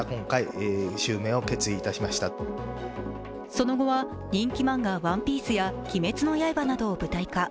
その後は人気漫画「ＯＮＥＰＩＥＣＥ」や「鬼滅の刃」などを舞台化。